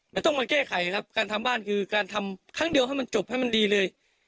แล้วต้องมาแก้ไขครับการทำบ้านคือการทำครั้งเดียวให้มันจบให้มันดีเลย